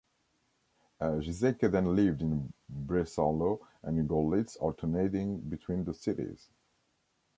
Giseke then lived in Breslau and Görlitz, alternating between the cities.